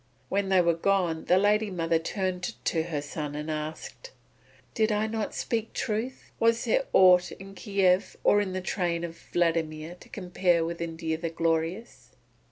When they were gone the lady mother turned to her son and asked: "Did I not speak truth? Was there aught in Kiev or in the train of Vladimir to compare with India the Glorious?"